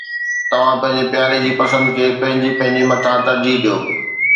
توھان پنھنجي پياري جي پسند کي پنھنجي پنھنجي مٿان ترجيح ڏيو.